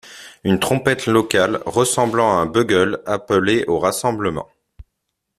Une trompette locale, ressemblant à un bugle, appelait au rassemblement.